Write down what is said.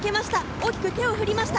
大きく手を振りました。